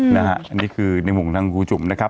อันนี้คือในห่วงทางครูจุ่มนะครับ